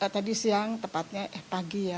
tadi siang tepatnya eh pagi ya